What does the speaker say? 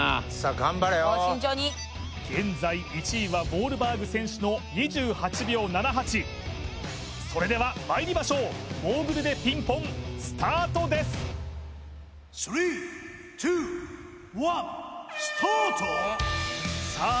現在１位はウォールバーグ選手の２８秒７８それではまいりましょうモーグルｄｅピンポンスタートですさあ